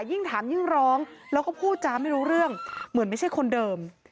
ยิ่งถามยิ่งร้องแล้วก็พูดจาไม่รู้เรื่องเหมือนไม่ใช่คนเดิม